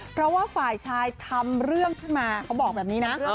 เพราะว่าฝ่ายชายทำเรื่องขึ้นมาเขาบอกแบบนี้นะ